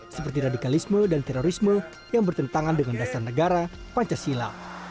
seperti radikalisme dan terorisme yang bertentangan dengan dasar negara pancasila